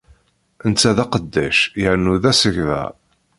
Netta d aqeddac yernu d asegbar.